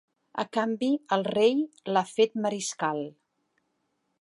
A canvi, el rei l'ha fet mariscal.